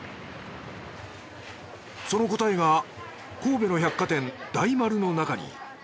その答えが神戸の百貨店大丸の中に。